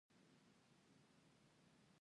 د واک اړتیا اصول هم بدلوي.